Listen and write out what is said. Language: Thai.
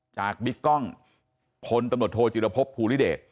บิ๊กกล้องพลตำรวจโทจิรพบภูริเดช